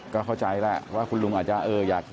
ก็เข้าใจแหละว่าคุณลุงอาจจะเอออยาก